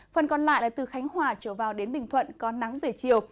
phần còn lại là từ khánh hòa trở vào đến bình thuận có nắng về chiều